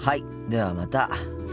ではまた。